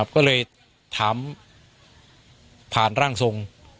ก็เลยถามผ่านร่างทรง